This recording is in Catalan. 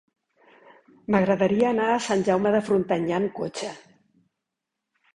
M'agradaria anar a Sant Jaume de Frontanyà amb cotxe.